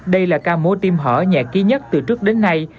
đây là ca mô tim hỏ nhạc ký nhất từ trước đến nay